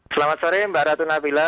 selamat sore mbak raditya